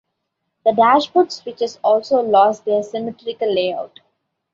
The dashboard switches also lost their symmetrical layout.